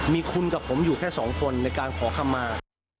มีคุณกับผมอยู่แค่สองคนในการขอคำมา